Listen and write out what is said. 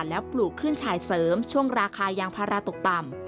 แล้วปลูกขึ้นชายเสริมช่วงราคายางพาราตกต่ำ